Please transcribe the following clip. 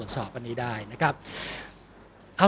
ก็ต้องทำอย่างที่บอกว่าช่องคุณวิชากำลังทำอยู่นั่นนะครับ